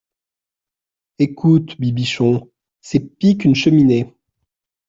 Ecoute, Bibichon, c'est pis qu'une cheminée !